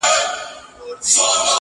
توره به یم خو د مکتب توره تخته یمه زه,